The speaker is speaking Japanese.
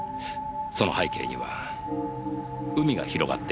その背景には海が広がっていました。